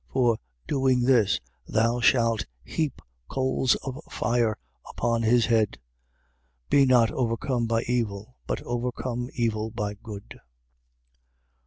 For, doing this, thou shalt heap coals of fire upon his head. 12:21. Be not overcome by evil: but overcome evil by good.